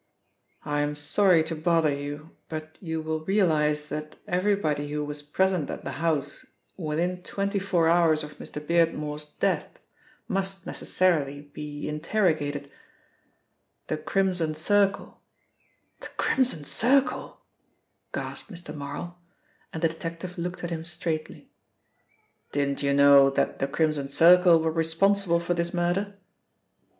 "I'm sorry to bother you, but you will realise that everybody who was present at the house within twenty four hours of Mr. Beardmore's death must necessarily be interrogated. The Crimson Circle " "The Crimson Circle!" gasped Mr. Marl, and the detective looked at him straightly. "Didn't you know that the Crimson Circle were responsible for this murder?"